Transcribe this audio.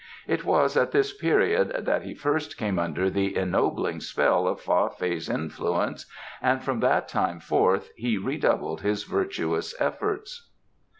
It was at this period that he first came under the ennobling spell of Fa Fei's influence and from that time forth he redoubled his virtuous efforts.